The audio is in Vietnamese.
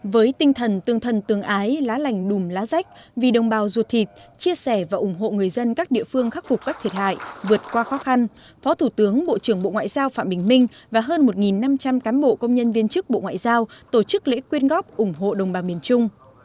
với tinh thần tương thân tương ái lá lành đùm lá rách vì đồng bào ruột thịt chia sẻ và ủng hộ người dân các địa phương khắc phục các thiệt hại vượt qua khó khăn phó thủ tướng bộ trưởng bộ ngoại giao phạm bình minh và hơn một năm trăm linh cán bộ công nhân viên chức bộ ngoại giao tổ chức lễ quyên góp ủng hộ đồng bào miền trung